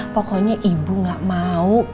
pokoknya ibu gak mau